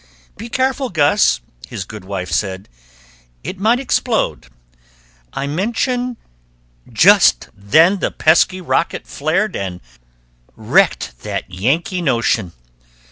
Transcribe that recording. "Be careful, Gus," his good wife said; "It might explode. I mention " Just then the pesky rocket flared And wrecked that Yankee notion.